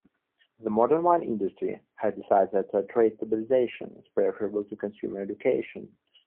The modern wine industry has decided that tartrate stabilization is preferable to consumer education.